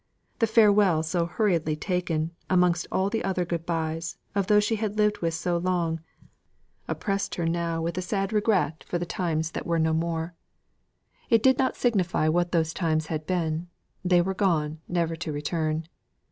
The farewells so hurriedly taken, amongst all the other good byes, of those she had lived with so long, oppressed her now with a sad regret for the times that were no more; it did not signify what those times had been, they were gone never to return.